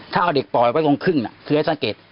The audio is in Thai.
ถ้าเอาเด็กปล่อยไว้ตรงครึ่งคือให้สังเกต